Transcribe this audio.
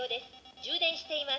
充電しています。